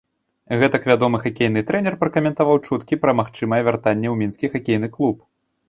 Гэтак вядомы хакейны трэнер пракаментаваў чуткі пра магчымае вяртанне ў мінскі хакейны клуб.